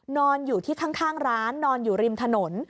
นอนอยู่ที่ข้างร้านนอนอยู่ริมถนน